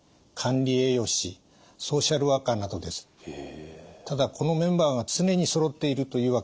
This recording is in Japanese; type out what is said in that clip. ただこのメンバーが常にそろっているというわけではありません。